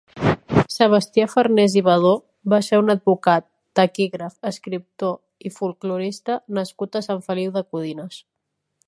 Sebastià Farnés i Badó va ser un advocat, taquígraf, escriptor i folklorista nascut a Sant Feliu de Codines.